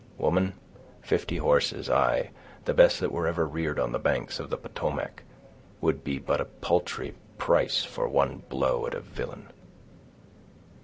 "Woman, fifty horses, aye, the best that were ever reared on the banks of the Potomac, would be but a paltry price, for one blow at a villain."